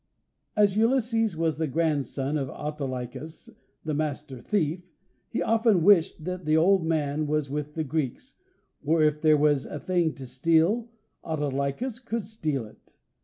As Ulysses was the grandson of Autolycus, the Master Thief, he often wished that the old man was with the Greeks, for if there was a thing to steal Autolycus could steal it.